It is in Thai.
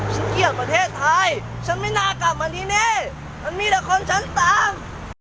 เกลียดประเทศไทยฉันไม่น่ากลับมาที่นี่ฉันมีละครฉันตาม